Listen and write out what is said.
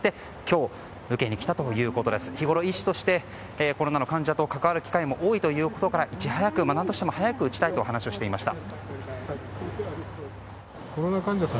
日ごろ医師としてコロナの患者と関わる機会も多いということからいち早く何としても早く打ちたいと話をしていました。